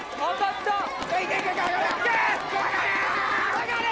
上がれ！